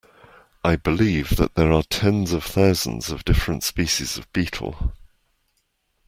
I believe that there are tens of thousands of different species of beetle